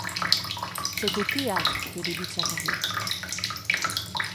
C'est au théâtre que débute sa carrière.